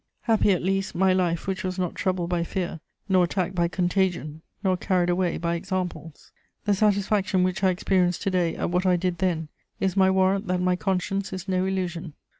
* Happy, at least, my life, which was not troubled by fear, nor attacked by contagion, nor carried away by examples! The satisfaction which I experience to day at what I did then is my warrant that my conscience is no illusion.